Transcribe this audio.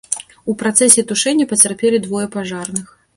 У працэсе тушэння пацярпелі двое пажарных.